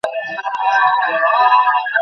JS তখন আমার সামনেই ছিল।